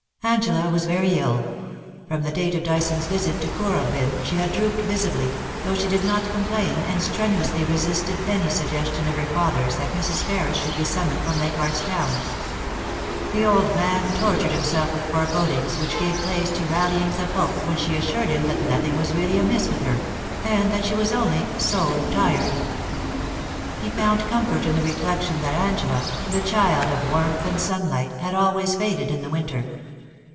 Angela was very ill. From the date of Dyson's visit to Kooralbyn she had drooped visibly, though she did not complain, and strenuously resisted any suggestion of her father's that Mrs. Ferris should be summoned from Leich ardt's Town. The old man tortured himself ivith forebodings, which gave place to rallyings of hope when she assured him that nothing was really amiss with her, and that she was only * so tired' He found comfort in the reflection that Angela, 'AT THE CENTIME OF PEACE: 297 the child of warmth and sunlight, had always faded in the winter.